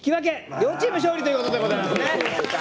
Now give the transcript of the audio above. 両チーム勝利ということでございますね。